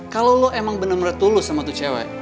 kalau lo emang bener bener tulus sama tuh cewek